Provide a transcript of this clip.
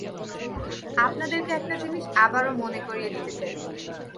আপনাদেরকে একটা জিনিস আবারো মনে করিয়ে দিতে চাই।